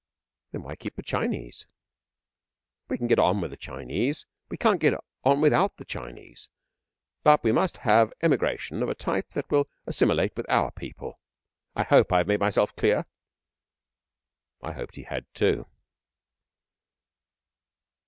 'Then why keep the Chinese?' 'We can get on with the Chinese. We can't get on without the Chinese. But we must have Emigration of a Type that will assimilate with Our People. I hope I have made myself clear?' I hoped that he had, too.